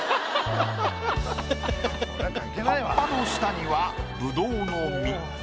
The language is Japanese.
葉っぱの下にはぶどうの実。